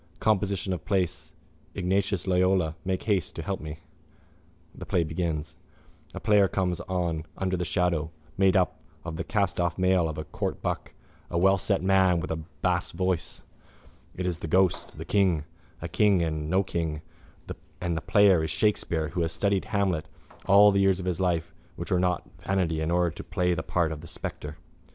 Composition of place. Ignatius Loyola, make haste to help me! —The play begins. A player comes on under the shadow, made up in the castoff mail of a court buck, a wellset man with a bass voice. It is the ghost, the king, a king and no king, and the player is Shakespeare who has studied Hamlet all the years of his life which were not vanity in order to play the part of the spectre.